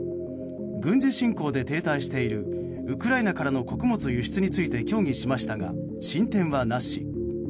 軍事侵攻で停滞しているウクライナからの穀物輸出について協議しましたが、進展はなし。